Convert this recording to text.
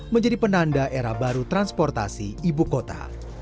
menjadi penanda era baru transportasi ibu kota